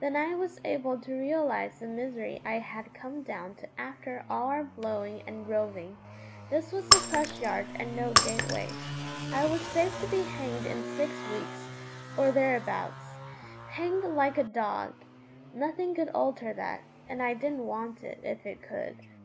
Then I was able to realise the misery I had come down to after all our blowing and roving. This was the crush yard and no gateway. I was safe to be hanged in six weeks, or thereabouts hanged like a dog! Nothing could alter that, and I didn't want it if it could.